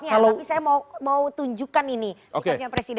tapi saya mau tunjukkan ini